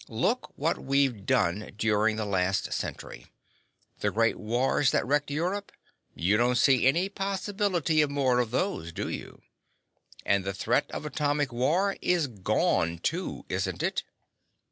Look what we've done during the last century. The great wars that wrecked Europe you don't see any possibility of more of those, do you? And the threat of atomic war is gone, too, isn't it?"